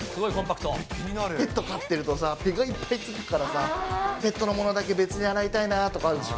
ペット飼ってるとさ、毛がいっぱいつくから、ペットのものだけ別に洗いたいなとかあるでしょ。